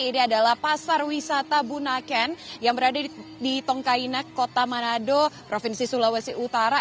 ini adalah pasar wisata bunaken yang berada di tongkainak kota manado provinsi sulawesi utara